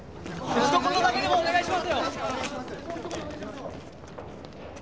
ひと言だけでもお願いします！